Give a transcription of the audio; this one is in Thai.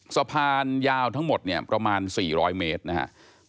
สะพานยาวทั้งหมดเนี่ยประมาณ๔๐๐เมตรนะครับ